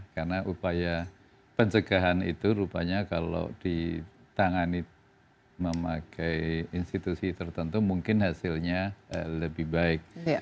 karena upaya pencegahan itu rupanya kalau ditangani memakai institusi tertentu mungkin hasilnya lebih baik